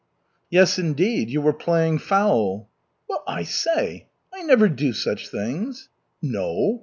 "Yes, indeed! You were playing foul!" "Well, I say! I never do such things." "No?